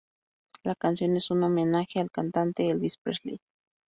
La canción es un homenaje al cantante Elvis Presley.